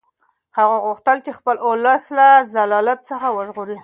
هغه غوښتل خپل اولس له ذلت څخه وژغوري.